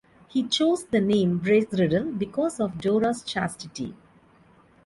He chose the name "Bracegirdle" because of Dora's chastity.